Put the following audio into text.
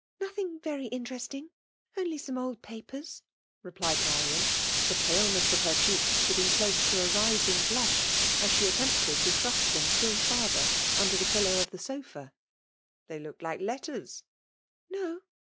'" Nothing very interesting — only some old papers,^ replied Marian, the paleness of her cheek giving place to a rising blush, as she attempted to thrust them still farther under the pillow of the sofa. They looked like letters." No